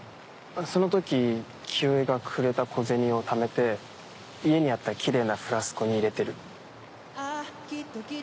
そのとき清居がくれた小銭をためて家にあったきれいなフラスコに入れてる。